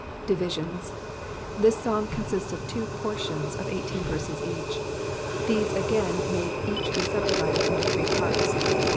Divisions.— TAi5 Psalm consists of two portions of 18 verses each. These again may each be sub divided into three parts.